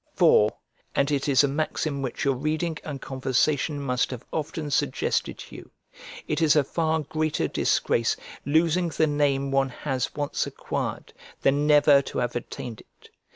For (and it is a maxim which your reading and conversation must have often suggested to you) it is a far greater disgrace losing the name one has once acquired than never to have attained it.